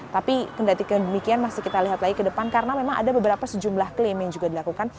tapi kendatikan demikian masih kita lihat lagi ke depan karena memang ada beberapa sejumlah klaim yang juga dilakukan